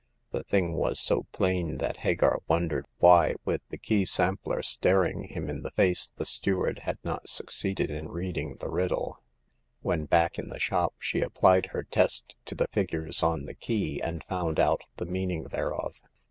The thing was so plain that Hagar won dered why, with the key sampler ^^tovt^^Vvvsvva. 142 Hagar of the Pawn Shop. the face, the steward had not succeeded in read ing the riddle. When back in the shop, she applied her test to the figures on the key, and found out the meaning thereof.